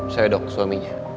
saya dok suaminya